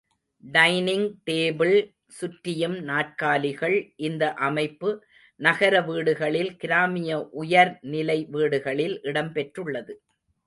Dining table சுற்றியும் நாற்காலிகள் இந்த அமைப்பு நகர வீடுகளில் கிராமிய உயர் நிலை வீடுகளில் இடம் பெற்றுள்ளது.